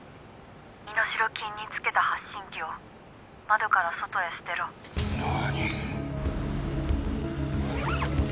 「身代金につけた発信機を窓から外へ捨てろ」何？